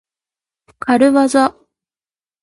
かるわざ。